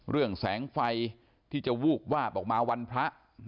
แสงไฟที่จะวูบวาบออกมาวันพระ